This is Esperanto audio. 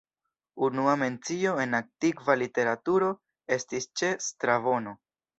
Unua mencio en antikva literaturo estis ĉe Strabono.